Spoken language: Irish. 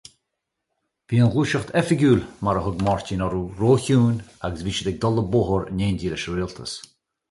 Bhí an ghluaiseacht oifigiúil, mar a thug Máirtín orthu, róchiúin agus bhí siad ag dul an bóthar in éindí leis an rialtas.